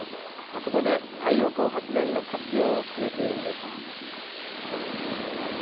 そこで、太陽光発電の活用を進めているんです。